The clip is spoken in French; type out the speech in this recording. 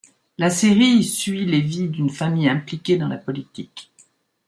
La série suit les vies d'une famille impliquée dans la politique.